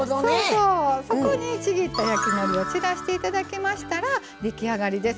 そこにちぎった焼きのりを散らしていただけましたら出来上がりです。